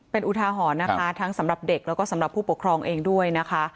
เป็นอุทาหรณ์นะคะทั้งสำหรับเด็กแล้วก็สำหรับผู้ปกครองเองด้วยนะคะ